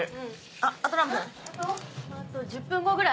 あと１０分後ぐらい？